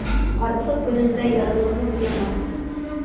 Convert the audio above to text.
Ҡартлыҡ көндә ярлылыҡ яман.